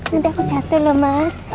nanti aku jatuh loh mas